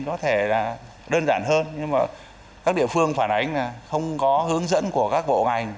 có thể đơn giản hơn nhưng các địa phương phản ánh không có hướng dẫn của các bộ ngành